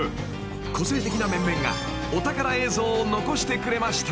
［個性的な面々がお宝映像を残してくれました］